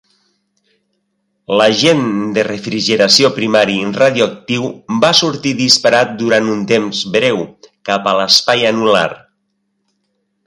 L'agent de refrigeració primari radioactiu va sortir disparat durant un temps breu cap a l'espai anular.